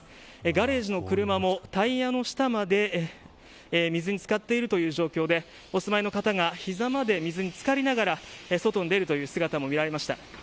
ガレージの車もタイヤの下まで水に漬かっているという状況でお住まいの方が膝まで水につかりながら外に出るという姿も見られました。